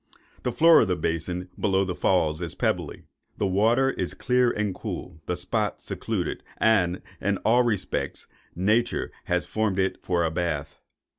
The floor of the basin below the Falls is pebbly, the water is clear and cool, the spot secluded, and, in all respects, Nature has formed it for a bath.